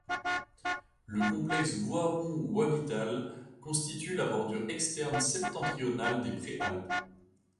Le complexe Voirons-Wägital constitue la bordure externe septentrionale des Préalpes.